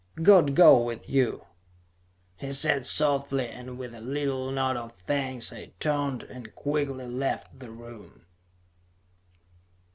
"God go with you," he said softly, and with a little nod of thanks I turned and quickly left the room.